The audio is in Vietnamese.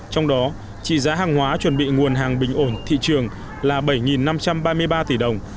trong đó trị giá hàng hóa chuẩn bị nguồn hàng bình ổn thị trường là bảy năm trăm ba mươi ba tỷ đồng